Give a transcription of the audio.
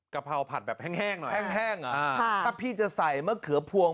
กะเพราผัดแบบแห้งแห้งหน่อยแห้งแห้งอ่าค่ะถ้าพี่จะใส่มะเขือพวง